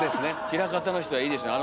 枚方の人はいいですね。